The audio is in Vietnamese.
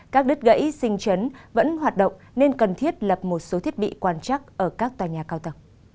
các đứt gãy sinh chấn vẫn hoạt động nên cần thiết lập một số thiết bị quan trắc ở các tòa nhà cao tầng